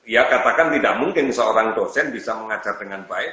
ya katakan tidak mungkin seorang dosen bisa mengajar dengan baik